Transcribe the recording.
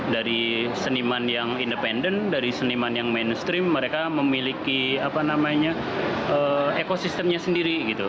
dari seniman yang independen dari seniman yang mainstream mereka memiliki ekosistemnya sendiri